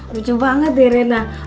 lucu banget ya reina